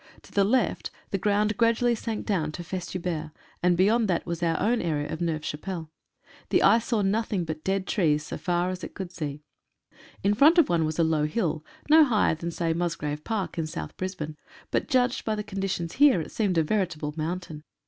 To the left the ground gradually sank down to Festubert, and beyond that was our own area of Neuve Chapelle. The eye saw nothing but dead trees, so far as it could see. In front of one was a low hill, no higher than, say, Mus grave Park in South Brisbane, but judged by the condi tions here, it seemed a veritable mountain.